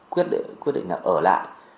quyết định là ở lại